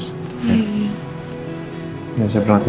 siap berlatih nanti ya